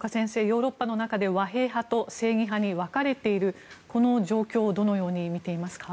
ヨーロッパの中で和平派と正義派に分かれているこの状況をどのように見ていますか？